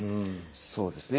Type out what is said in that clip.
そうですね。